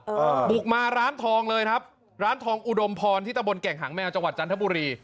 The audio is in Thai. บุกมาร้านทองเลยครับร้านทองอุดมพรที่ตะบนแก่งหางแมวจังหวัดจันทบุรี